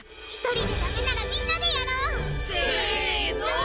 ひとりでダメならみんなでやろう！せの！